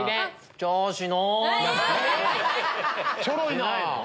ちょろいな。